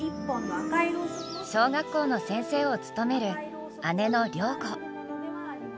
小学校の先生を務める姉の良子。